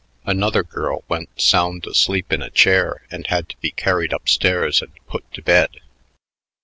Another girl went sound asleep in a chair and had to be carried up stairs and put to bed.